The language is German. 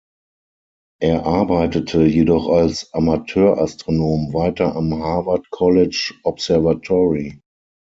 Er arbeitete jedoch als Amateurastronom weiter am Harvard College Observatory.